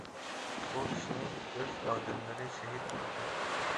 بۇ كىشىنى ئۆز ئادەملىرى شېھىت قىلدى.